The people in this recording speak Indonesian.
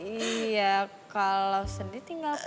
iya kalau sedih tinggal